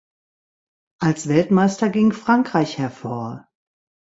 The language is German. Als Weltmeister ging Frankreich hervor.